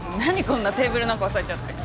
こんなテーブルなんか押さえちゃって。